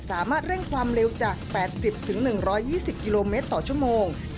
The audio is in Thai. สามารถเร่งความเร็วจาก๘๐๑๒๐กิโลเมตรต่อชั่วโมง